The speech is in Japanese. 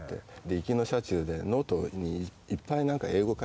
行きの車中でノートにいっぱい何か英語を書いてるわけ。